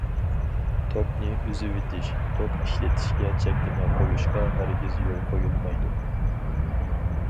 توكنى ئۈزۈۋېتىش، توك ئىشلىتىشكە چەكلىمە قويۇشقا ھەرگىز يول قويۇلمايدۇ.